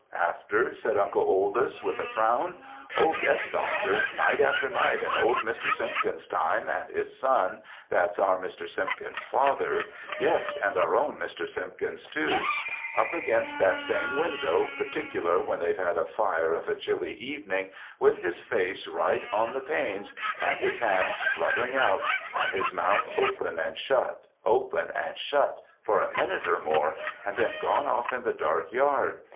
'After?' said Uncle Oldys, with a frown. 'Oh yes, Doctor, night after night in old Mr. Simpkins's time, and his son, that's our Mr. Simpkins's father, yes, and our own Mr. Simpkins too. Up against that same window, particular when they've had a fire of a chilly evening, with his face right on the panes, and his hands fluttering out, and his mouth open and shut, open and shut, for a minute or more, and then gone off in the dark yard.